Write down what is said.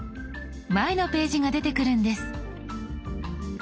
前のページが出てくるんです。